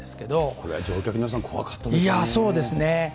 これは乗客の皆さん、怖かっいや、そうですね。